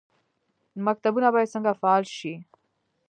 مکتبونه باید څنګه فعال شي؟